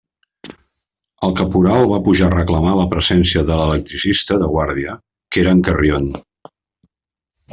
El caporal va pujar a reclamar la presència de l'electricista de guàrdia, que era en Carrión.